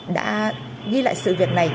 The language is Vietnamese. đã ghi lại sự việc này